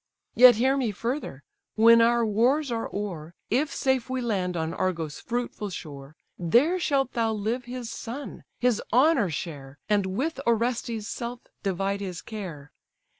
Yet hear me further: when our wars are o'er, If safe we land on Argos' fruitful shore, There shalt thou live his son, his honour share, And with Orestes' self divide his care.